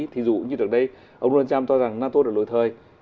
thí dụ như được đây ông donald trump cho rằng nato đã lội thời